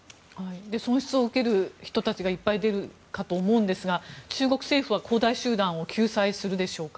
損失を受ける人たちがいっぱい出るかと思うんですが中国政府は恒大集団を救済するでしょうか？